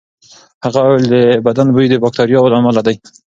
هغه وویل د بدن بوی د باکتریاوو له امله دی.